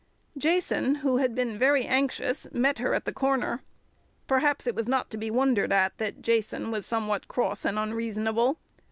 Jason, who had been very anxious, met her at the corner. Perhaps it was not to be wondered at that Jason was somewhat cross and unreasonable.